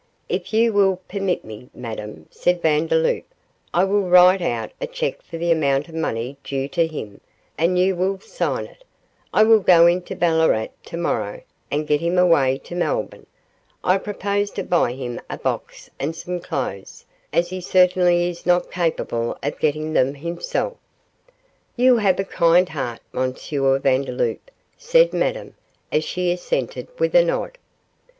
'If you will permit me, Madame,' said Vandeloup, 'I will write out a cheque for the amount of money due to him, and you will sign it. I will go into Ballarat to morrow, and get him away to Melbourne. I propose to buy him a box and some clothes, as he certainly is not capable of getting them himself.' 'You have a kind heart, M. Vandeloup,' said Madame, as she assented with a nod.